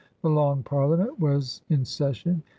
The Long Parliament was in session.